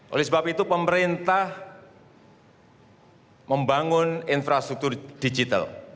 oleh sebab itu pemerintah membangun infrastruktur digital